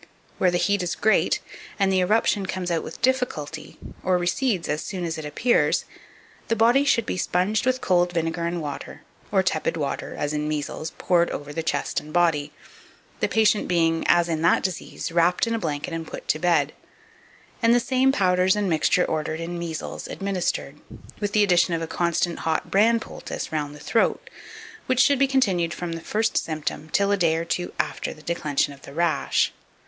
Where the heat is great, and the eruption comes out with difficulty, or recedes as soon as it appears, the body should be sponged with cold vinegar and water, or tepid water, as in measles, poured over the chest and body, the patient being, as in that disease, wrapped in a blanket and put to bed, and the same powders and mixture ordered in measles administered, with the addition of a constant hot bran poultice round the throat, which should be continued from the first symptom till a day or two after the declension of the rash.